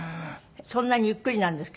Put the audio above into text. そんなにゆっくりなんですか？